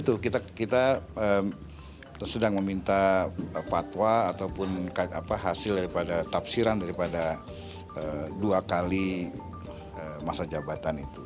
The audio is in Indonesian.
ya justru itu kita sedang meminta patwa ataupun hasil dari pada tapsiran dari pada dua kali masa jabatan itu